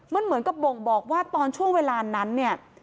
มันเหมือนกับบ่งบอกว่าตอนช่วงเวลานั้นเนี่ย